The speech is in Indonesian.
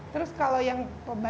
terus kalau yang pebajak